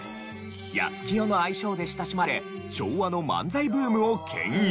やすきよの愛称で親しまれ昭和の漫才ブームを牽引。